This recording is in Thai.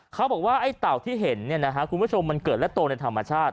เขาบอกว่าไอ้เต่าที่เห็นคุณผู้ชมมันเกิดและโตในธรรมชาติ